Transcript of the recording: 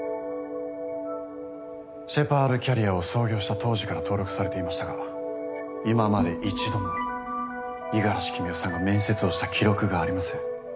シェパードキャリアを創業した当時から登録されていましたが今まで１度も五十嵐君雄さんが面接をした記録がありません。